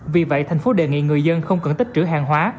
vì vậy thành phố đề nghị người dân không cần tích trữ hàng hóa